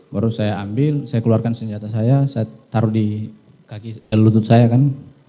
baru saya ambil saya keluarkan senjata saya saya taruh di kaki lutut saya kan